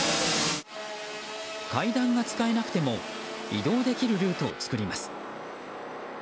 階段が使えなくても移動できるルートを作ります。